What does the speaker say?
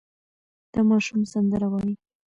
دا ماشوم سندره وايي.